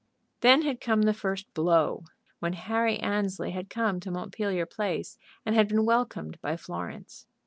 Then had come the first blow, when Harry Annesley had come to Montpelier Place and had been welcomed by Florence.